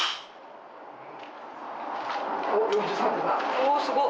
おすごい。